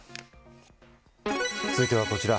続いては、こちら。